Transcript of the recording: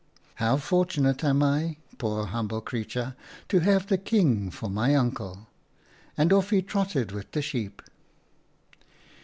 ' How for tunate am I, poor humble creature, to have the King for my uncle,' and off he trotted with the sheep.